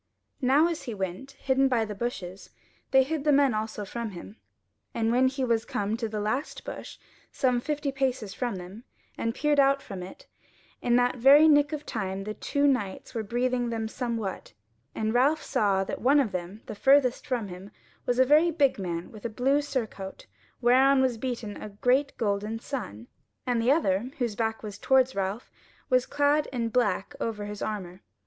Now as he went, hidden by the bushes, they hid the men also from him, and when he was come to the last bush, some fifty paces from them, and peered out from it, in that very nick of time the two knights were breathing them somewhat, and Ralph saw that one of them, the furthest from him, was a very big man with a blue surcoat whereon was beaten a great golden sun, and the other, whose back was towards Ralph, was clad in black over his armour.